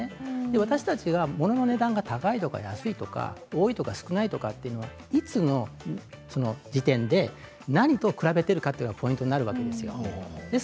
私たちは物の値段が高いとか安いとか、多いとか少ないとかいつの時点で何と比べているかというのがポイントになるわけです。